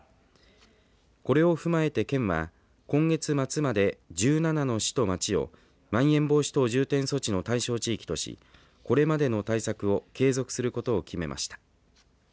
これを踏まえて県は今月末まで、１７の市と町をまん延防止等重点措置の対象地域としこれまでの対策を継続することを決めました。